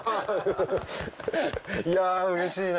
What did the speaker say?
いやぁうれしいね！